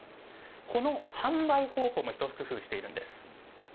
この販売方法も一工夫しているんです。